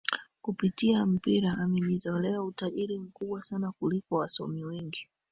Kupitia mpira amejizolea utajiri mkubwa sana kuliko wasomi wengi